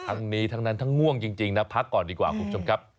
ทั้งนี้ทั้งนั้นทั้งง่วงจริงนะพักก่อนดีกว่าคุณผู้ชมครับ